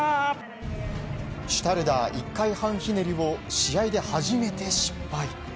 シュタルダー１回半ひねりを試合で初めて失敗。